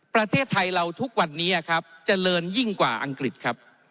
ประเทศไทยเราทุกวันนี้ครับเจริญยิ่งกว่าอังกฤษครับ